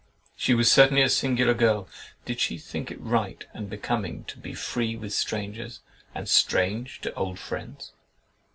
She was certainly a singular girl. Did she think it right and becoming to be free with strangers, and strange to old friends?"